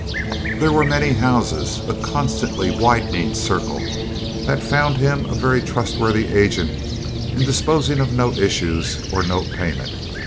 There were many houses, a constantly widening circle, that found him a very trustworthy agent in disposing of note issues or note payment.